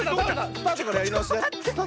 スタートからやりなおしだよ。